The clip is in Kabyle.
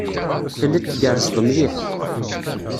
Telliḍ tgerrzeḍ mliḥ.